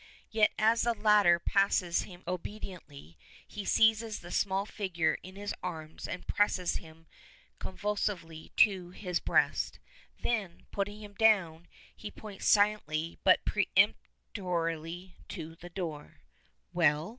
Yet, as the latter passes him obediently, he seizes the small figure in his arms and presses him convulsively to his breast. Then, putting him down, he points silently but peremptorily to the door. "Well?"